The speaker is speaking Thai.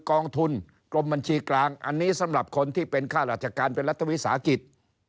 กองทุนกรมบัญชีกลางอันนี้สำหรับคนที่เป็นค่าราชการเป็นรัฐวิสาหกิจ